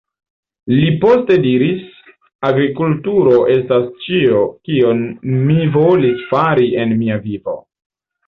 Li poste diris "agrikulturo estas ĉio kion mi volis fari en mia vivo.